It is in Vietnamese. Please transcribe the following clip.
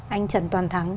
anh trần toàn thắng